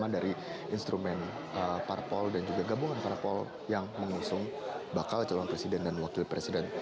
dari instrumen parpol dan juga gabungan parpol yang mengusung bakal calon presiden dan wakil presiden